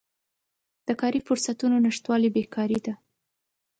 د کاري فرصتونو نشتوالی بیکاري ده.